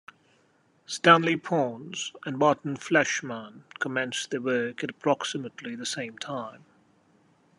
Stanley Pons and Martin Fleischmann commenced their work at approximately the same time.